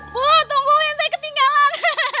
bu tungguin saya ketinggalan